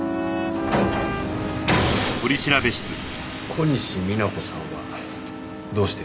小西皆子さんはどうして殺したの？